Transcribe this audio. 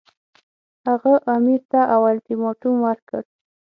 هغه امیر ته اولټیماټوم ورکړ.